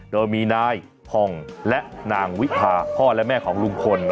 โดยมีนายผ่องและนางวิพาพ่อและแม่ของลุงพล